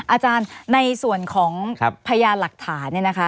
อาจารย์ในส่วนของพยานหลักฐาน